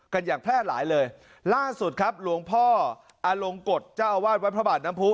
อย่างแพร่หลายเลยล่าสุดครับหลวงพ่ออลงกฎเจ้าอาวาสวัดพระบาทน้ำผู้